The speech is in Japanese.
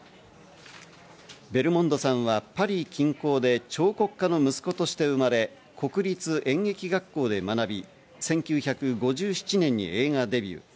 ベルモンドさんはパリ近郊で彫刻家の息子として生まれ国立演劇学校で学び、１９５７年に映画デビュー。